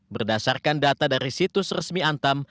berdasarkan data dari situs resmi antam